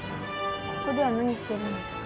ここでは何してるんですか？